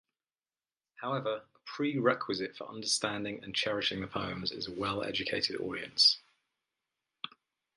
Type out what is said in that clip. However, a prerequisite for understanding and cherishing the poems is a well-educated audience.